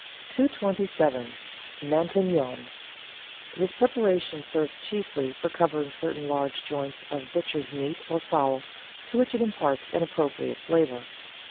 227— MATIQNON This preparation serves chiefly for covering certain large joints of butcher's meat, or fowl, to which it imparts an appro priate flavour.